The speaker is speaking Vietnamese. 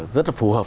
rất là phù hợp